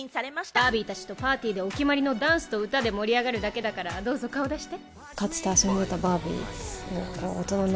バービーたちとお決まりのダンスと歌で盛り上がるだけだから、どうぞ顔を出して。